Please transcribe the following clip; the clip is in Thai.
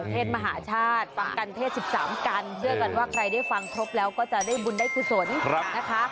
เทศมหาชาติฟังกันเทศ๑๓กันเชื่อกันว่าใครได้ฟังครบแล้วก็จะได้บุญได้กุศลนะคะ